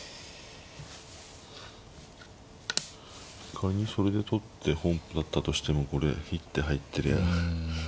仮にそれで取って本譜だったとしてもこれ一手入ってりゃあ。